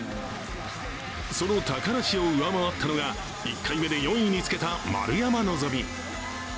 その高梨を上回ったのが１回目で４位につけた丸山希。